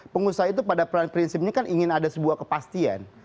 pengusaha itu pada prinsipnya kan ingin ada sebuah kepastian